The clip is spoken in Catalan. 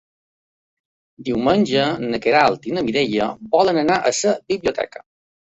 Diumenge na Queralt i na Mireia volen anar a la biblioteca.